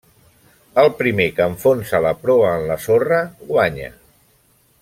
El primer que enfonsa la proa en la sorra guanya.